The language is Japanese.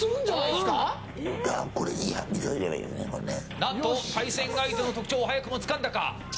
何と対戦相手の特徴を早くもつかんだか。